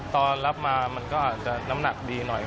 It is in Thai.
ตอนรับมามันก็อาจจะน้ำหนักดีหน่อย